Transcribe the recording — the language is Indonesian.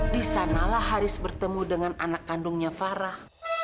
di sanalah haris bertemu dengan anak kandungnya farah